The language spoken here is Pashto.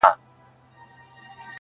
•« څوک د درست جهان پاچا ظاهر ګدا وي» -